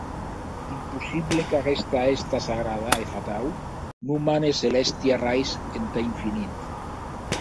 Impossible qu’aguesta hèsta sagrada e fatau non mane celèsti arrais entar infinit.